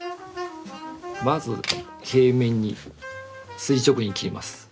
まず平面に垂直に切ります。